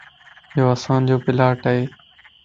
يو اسانجو پلاٽ ا